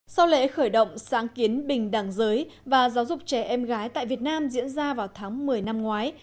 sau lễ khởi động sáng kiến bình đẳng giới và giáo dục trẻ em gái tại việt nam diễn ra vào tháng một mươi năm ngoái